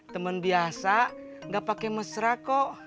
temen biasa gak pake mesra kok